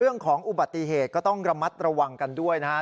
เรื่องของอุบัติเหตุก็ต้องระมัดระวังกันด้วยนะฮะ